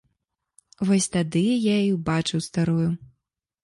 Вось тады я і ўбачыў старую.